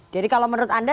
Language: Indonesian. jadi kalau menurut anda